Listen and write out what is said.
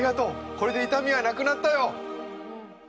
これで痛みはなくなったよ。